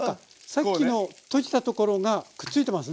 さっきのとじたところがくっついてますね。